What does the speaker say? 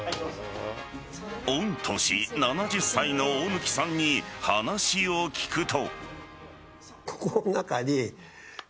御年７０歳の大貫さんに話を聞くと。